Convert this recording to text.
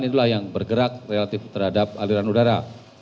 itulah yang bergerak relatif terhadap aliran udara